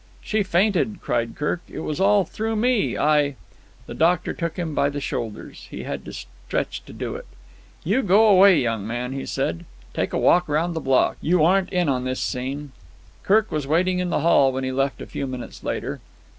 "She fainted," cried Kirk. "It was all through me. I——" The doctor took him by the shoulders. He had to stretch to do it. "You go away, young man," he said. "Take a walk round the block. You aren't on in this scene." Kirk was waiting in the hall when he left a few minutes later.